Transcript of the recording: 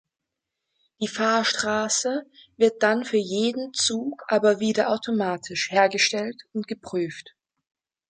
Die Fahrstraße wird dann für jeden Zug aber wieder automatisch hergestellt und geprüft.